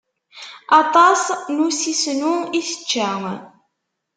Aṭas n usisnu i tečča.